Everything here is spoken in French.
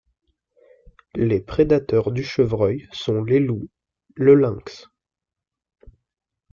Les prédateurs du chevreuil sont les loups, le lynx.